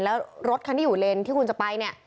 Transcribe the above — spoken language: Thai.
แล้วรถคันที่อยู่เลนที่คุณจะไปเนี่ย